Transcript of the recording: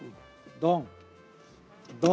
どん！